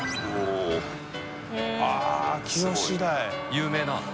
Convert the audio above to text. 有名な。